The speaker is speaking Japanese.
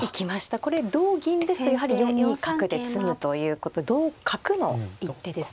これ同銀ですとやはり４二角で詰むということで同角の一手ですか。